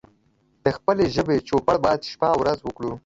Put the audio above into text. د خپلې ژبې چوپړ بايد شپه او ورځ وکړو